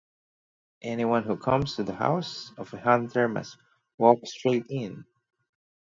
Anyone who comes to the house of a hunter must walk straight in.